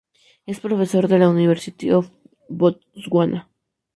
Es profesor de la University of Botswana.